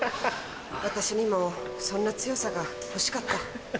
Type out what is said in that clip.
私にもそんな強さが欲しかった。